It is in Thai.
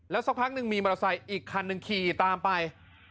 สักพักหนึ่งมีมอเตอร์ไซค์อีกคันหนึ่งขี่ตามไป